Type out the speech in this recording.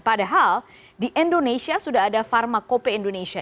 padahal di indonesia sudah ada pharmacope indonesia